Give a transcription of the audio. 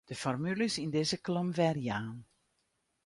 De formules yn dizze kolom werjaan.